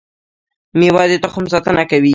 مېوه د تخم ساتنه کوي